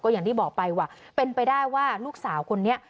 อย่างที่บอกไปว่าเป็นไปได้ว่าลูกสาวคนนี้